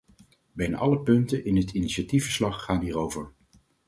Bijna alle punten in het initiatiefverslag gaan hierover.